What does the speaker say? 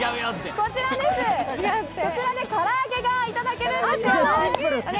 こちらで唐揚げがいただけるんですよ。